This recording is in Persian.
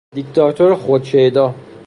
دیکتاتور خود شیدا